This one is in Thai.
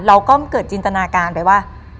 เราก็เกิดจินตนาการไปว่า